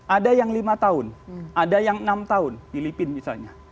ada yang lima tahun ada yang enam tahun filipina misalnya